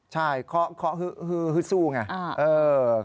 ใช่เคาะฮึดสู้ไง